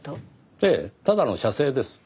ええただの写生です。